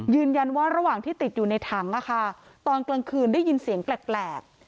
ยืนยันว่าระหว่างที่ติดอยู่ในถังอ่ะค่ะตอนกลางคืนได้ยินเสียงแกลกแกลก